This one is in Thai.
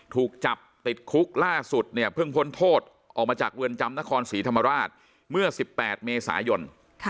ถูกจับติดคุกล่าสุดเนี่ยเพิ่งพ้นโทษออกมาจากเรือนจำนครศรีธรรมราชเมื่อ๑๘เมษายน